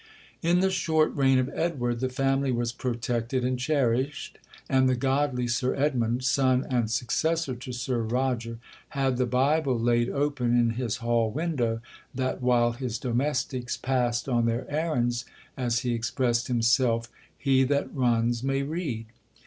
'In the short reign of Edward, the family was protected and cherished; and the godly Sir Edmund, son and successor to Sir Roger, had the Bible laid open in his hall window, that while his domestics passed on their errands, as he expressed himself,—'he that runs may read.'